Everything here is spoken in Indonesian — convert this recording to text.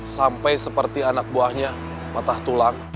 sampai seperti anak buahnya patah tulang